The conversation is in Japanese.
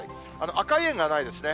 赤い円がないですね。